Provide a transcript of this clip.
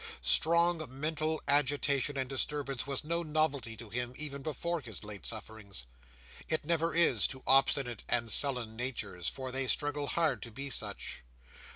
Strong mental agitation and disturbance was no novelty to him, even before his late sufferings. It never is, to obstinate and sullen natures; for they struggle hard to be such.